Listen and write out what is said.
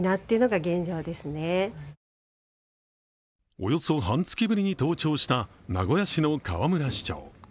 およそ半月ぶりに登庁した名古屋市の河村市長。